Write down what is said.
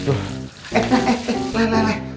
eh leh leh leh